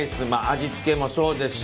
味付けもそうですし